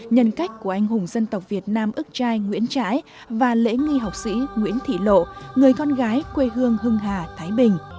nhân cách của anh hùng dân tộc việt nam ức trai nguyễn trãi và lễ nghi học sĩ nguyễn thị lộ người con gái quê hương hưng hà thái bình